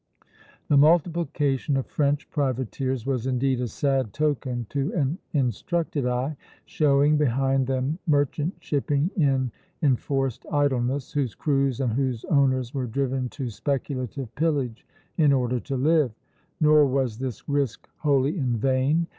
" The multiplication of French privateers was indeed a sad token to an instructed eye, showing behind them merchant shipping in enforced idleness, whose crews and whose owners were driven to speculative pillage in order to live. Nor was this risk wholly in vain.